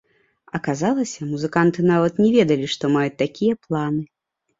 Аказалася, музыканты нават не ведалі, што маюць такія планы.